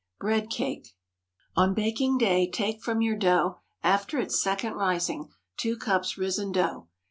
BREAD CAKE. On baking day, take from your dough, after its second rising—2 cups risen dough.